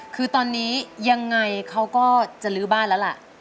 คือตอนนี้ยังไงเขาก็จะลื้อบ้านแล้วล่ะ